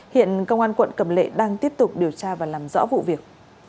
hiện công an quận cầm lệ đang tiếp tục điều tra và làm rõ vụ việc